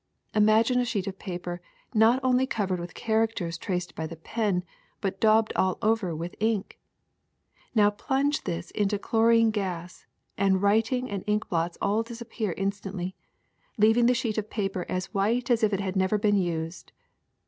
Imagine a sheet of paper not only covered with characters traced by the pen but daubed all over with ink. Now plunge this into chlorine gas, and writing and ink blots all disappear instantly, leaving the sheet of paper as white as if it had never been used.